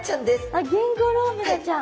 あっゲンゴロウブナちゃん。